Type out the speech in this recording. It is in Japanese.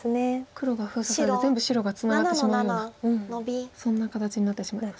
黒が封鎖されて全部白がツナがってしまうようなそんな形になってしまいますか。